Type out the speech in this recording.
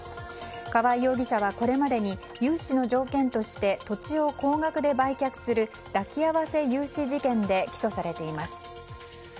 河合容疑者はこれまでに融資の条件として土地を高額で売却する抱き合わせ融資事件で起訴されています。